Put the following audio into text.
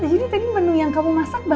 ini tadi menu yang kamu masak